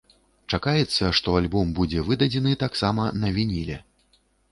Чакаецца, што альбом будзе выдадзены таксама на вініле.